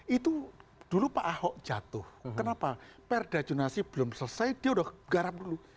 itu dulu pak ahok jatuh kenapa perda jonasi belum selesai dia udah garam dulu